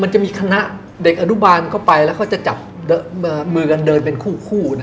มันจะมีคณะเด็กอนุบาลก็ไปแล้วก็จะจับมือกันเดินเป็นคู่นะครับ